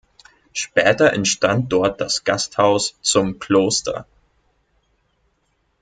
Später entstand dort das Gasthaus "Zum Kloster".